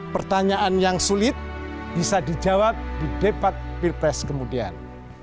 pertanyaan yang sulit bisa dijawab di depak pilpres kemudian